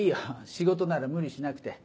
仕事なら無理しなくて。